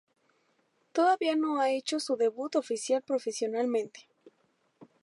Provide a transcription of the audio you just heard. Todavía no ha hecho su debut oficial profesionalmente.